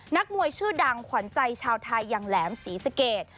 นักมวยชื่อดังขวัญใจชาวไทยอย่างแหลมศรีสเกต